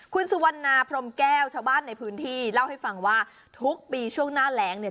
คุณสุวรรณาพรมแก้วชาวบ้านในพื้นที่เล่าให้ฟังว่าทุกปีช่วงหน้าแรงเนี่ย